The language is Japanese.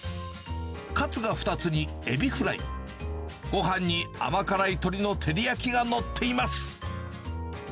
かつが２つにエビフライ、ごはんに甘辛い鶏の照り焼きが載っています。